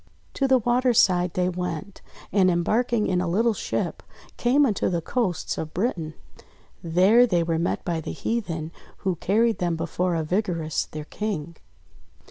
To the water's side they went, and embarking in a little ship, came unto the coasts of Britain. There they were met by the heathen, who carried them before Arvigarus their King.